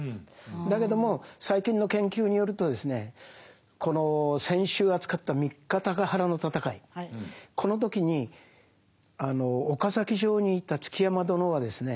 だけども最近の研究によるとですねこの先週扱った三方ヶ原の戦いこの時に岡崎城にいた築山殿はですね